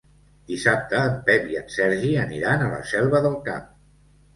Dissabte en Pep i en Sergi aniran a la Selva del Camp.